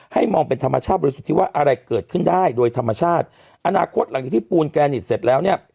มองเป็นธรรมชาติบริสุทธิ์ที่ว่าอะไรเกิดขึ้นได้โดยธรรมชาติอนาคตหลังจากที่ปูนแกนิสเสร็จแล้วเนี่ย